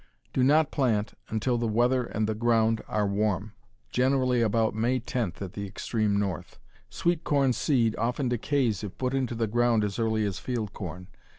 Do not plant until the weather and the ground are warm generally about May 10th at the extreme North. Sweet corn seed often decays if put into the ground as early as field corn.